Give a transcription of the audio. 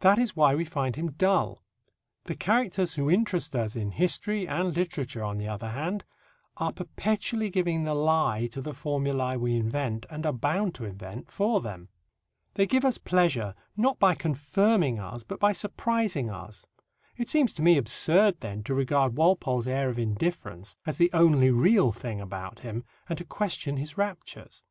That is why we find him dull. The characters who interest us in history and literature, on the other hand, are perpetually giving the lie to the formulae we invent, and are bound to invent, for them. They give us pleasure not by confirming us, but by surprising us. It seems to me absurd, then, to regard Walpole's air of indifference as the only real thing about him and to question his raptures.